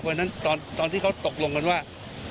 เพราะฉะนั้นตอนที่เขาตกลงกันว่า